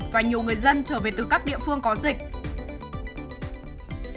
và nhiều người dân trở về từ các địa phương có dịch